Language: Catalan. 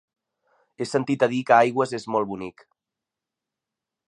He sentit a dir que Aigües és molt bonic.